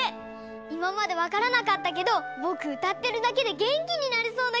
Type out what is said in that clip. いままでわからなかったけどぼくうたってるだけでげんきになれそうなきがしたよ！